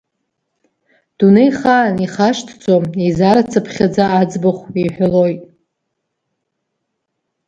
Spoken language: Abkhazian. Дунеихаан ихашҭӡом, еизарацыԥхьаӡа аӡбаху иҳәалоит.